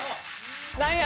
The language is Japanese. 何や？